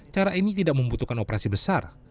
cara ini tidak membutuhkan operasi besar